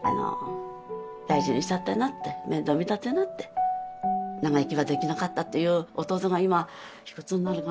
「大事にしたってな」って「面倒見たってな」って「長生きはできなかった」っていう弟が今いくつになるかな